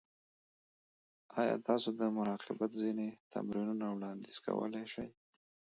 ایا تاسو د مراقبت ځینې تمرینونه وړاندیز کولی شئ؟